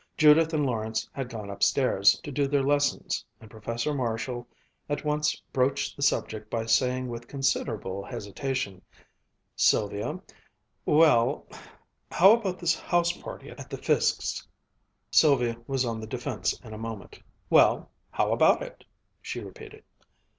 Judith and Lawrence had gone upstairs to do their lessons, and Professor Marshall at once broached the subject by saying with considerable hesitation, "Sylvia well how about this house party at the Fiskes'?" Sylvia was on the defense in a moment. "Well, how about it?" she repeated.